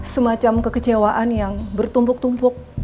semacam kekecewaan yang bertumpuk tumpuk